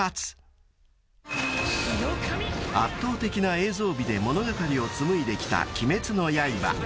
［圧倒的な映像美で物語を紡いできた『鬼滅の刃』］